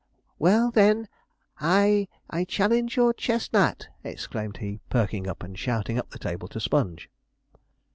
'Well, then, I challenge your chestnut!' exclaimed he, perking up, and shouting up the table to Sponge.